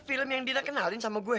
film yang dida kenalin sama gue